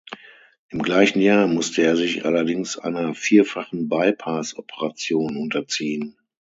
Im gleichen Jahr musste er sich allerdings einer vierfachen Bypass-Operation unterziehen.